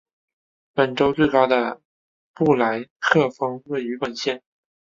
本州最高的布莱克峰位于本县。